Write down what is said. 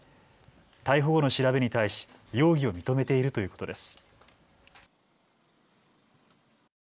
逮捕後の調べに対し容疑を認めているということです。